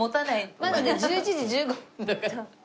まだね１１時１５分だから。